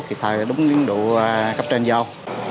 kịp thời đúng biến đủ cấp trên dâu